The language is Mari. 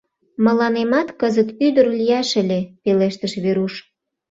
— Мыланемат кызыт ӱдыр лияш ыле! — пелештыш Веруш.